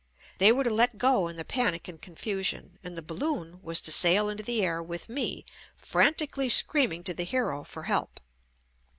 They were to let go in the panic and con fusion and the balloon was to sail into the air with me frantically screaming to the hero for help.